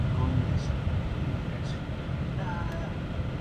Recibió el título de reina madre durante el mandato de su hijo Miguel.